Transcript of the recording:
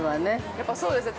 ◆やっぱそうですね。